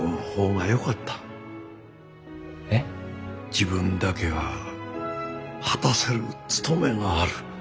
自分だけが果たせる務めがある。